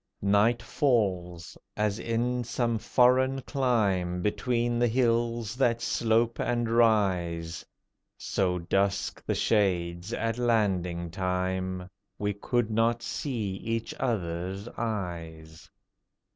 Night falls as in some foreign clime, Between the hills that slope and rise. So dusk the shades at landing time, We could not see each other's eyes.